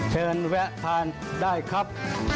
เชิญแวะทานได้ครับ